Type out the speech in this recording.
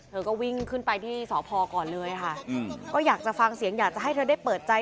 เธอก็วิ่งขึ้นไปที่สพก่อนเลยค่ะก็อยากจะฟังเสียงอยากจะให้เธอได้เปิดใจ